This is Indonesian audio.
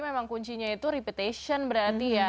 berarti memang kuncinya itu repetition berarti ya